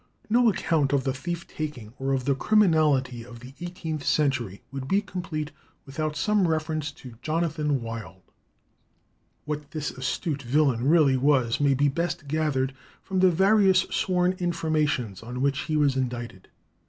No account of the thief taking or of the criminality of the eighteenth century would be complete without some reference to Jonathan Wild. What this astute villain really was may be best gathered from the various sworn informations on which he was indicted.